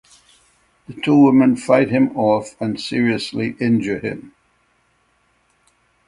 The two women fight him off and seriously injure him.